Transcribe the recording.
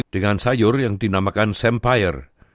dengan sayur yang dinamakan sampire